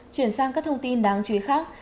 chuyển sang các thông tin đáng chú ý khác